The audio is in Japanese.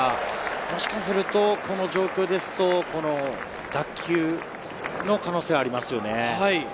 もしかするとこの状況ですと、脱臼の可能性がありますよね。